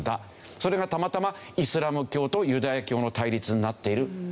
それがたまたまイスラム教とユダヤ教の対立になっていると。